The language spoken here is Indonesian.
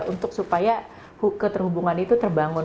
untuk supaya keterhubungan itu terbangun